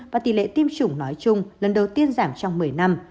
và tỷ lệ tiêm chủng nói chung lần đầu tiên giảm trong mỹ